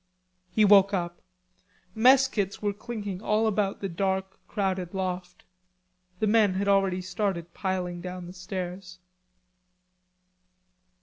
He woke up. Mess kits were clinking all about the dark crowded loft. The men had already started piling down the stairs.